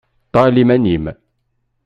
Ṭṭal iman-im.